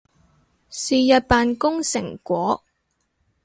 是日扮工成果